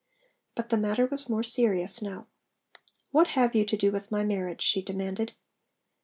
But the matter was more serious now. 'What have you to do with my marriage?' she demanded.